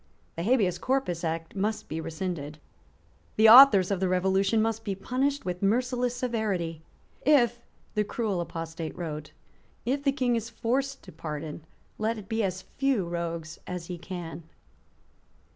The Habeas Corpus Act must be rescinded. The authors of the Revolution must be punished with merciless severity. "If," the cruel apostate wrote, "if the King is forced to pardon, let it be as few rogues as he can."